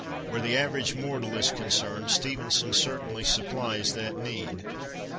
Where the average mortal is concerned Stevenson certainly supplies that need.